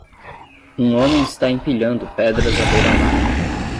Um homem está empilhando pedras à beira-mar.